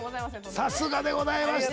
さすがでございました。